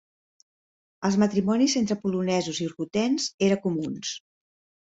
Els matrimonis entre polonesos i rutens era comuns.